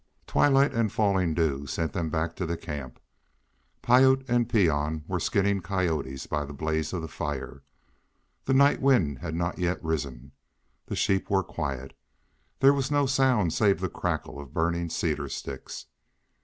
Twilight and falling dew sent them back to the camp. Piute and Peon were skinning coyotes by the blaze of the fire. The night wind had not yet risen; the sheep were quiet; there was no sound save the crackle of burning cedar sticks.